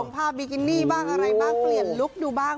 ภาพบิกินี่บ้างอะไรบ้างเปลี่ยนลุคดูบ้าง